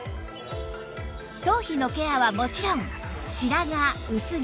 頭皮のケアはもちろん白髪薄毛